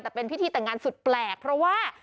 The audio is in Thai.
แต่เป็นพิธีแต่งงานสุดแปลกเพราะว่า